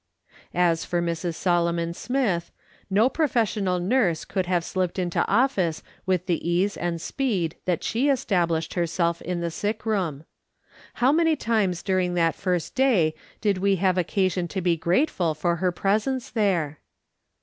As for Mrs. Solomon Smith, no professional nurse could have slipped into office with the ease and speed that she established herself in the sick room. How many times during that first day did we have occasion to be grateful for her presence there